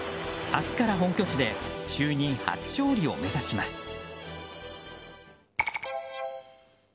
明日から本拠地で就任初勝利を目指します。